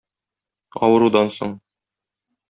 Авырудан соң